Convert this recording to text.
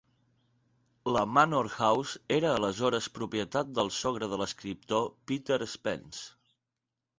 La Manor House era aleshores propietat del sogre de l'escriptor Peter Spence.